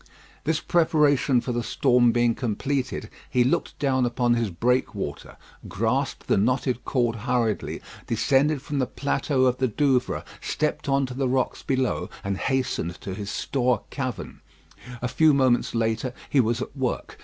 This preparation for the storm being completed, he looked down upon his breakwater, grasped the knotted cord hurriedly, descended from the plateau of the Douvre, stepped on to the rocks below, and hastened to his store cavern. A few moments later he was at work.